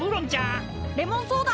レモンソーダ。